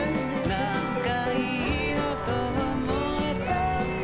なんかいいなと思えたんだ